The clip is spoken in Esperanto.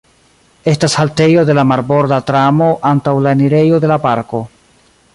Estas haltejo de la marborda tramo antaŭ la enirejo de la parko.